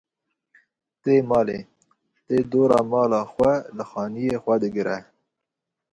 Tê malê, tê dora mala xwe li xaniyê xwe digere.